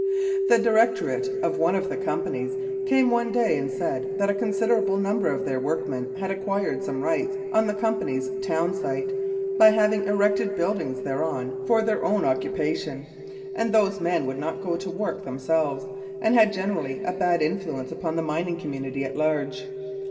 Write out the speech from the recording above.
The directorate of one of the companies came one day and said that a considerable number of their work men had acquired some rights on the company's town site by having erected buildings thereon for their own Mounted Police Life in Canada occupation, and those men would not go to work them selves and had generally a bad influence upon the mining community at large.